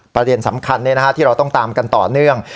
ประเด็นสำคัญที่เราต้องตามกันต่อเนื่อง